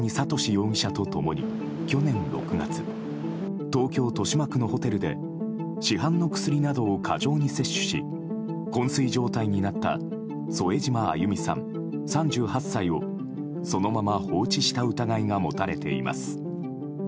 容疑者と共に去年６月東京・豊島区のホテルで市販の薬などを過剰に摂取し昏睡状態になった添島亜祐美さん、３８歳をそのまま放置した疑いが持たれています。